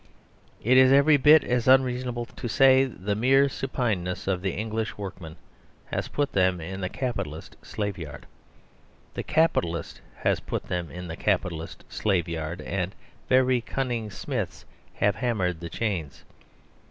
It is every bit as unreasonable to say the mere supineness of the English workmen has put them in the capitalist slave yard. The capitalist has put them in the capitalist slaveyard; and very cunning smiths have hammered the chains.